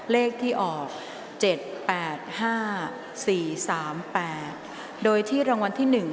เลขที่ออกเจ็ดแปดห้าสี่สามแปดโดยที่รางวัลที่หนึ่ง